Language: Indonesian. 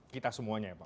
kita semuanya ya pak